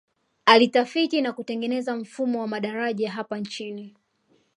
Alitafiti na kutengeneza mfumo wa madaraja hapa nchini